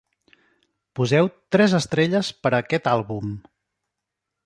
Poseu tres estrelles per a aquest àlbum